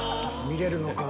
見れるのか。